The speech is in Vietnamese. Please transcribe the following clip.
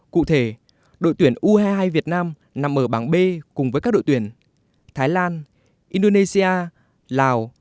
cụ thể đội tuyển u hai mươi hai việt nam nằm ở bảng b cùng với các đội tuyển thái lan indonesia lào